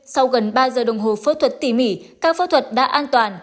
sau gần ba giờ đồng hồ phẫu thuật tỉ mỉ các phẫu thuật đã an toàn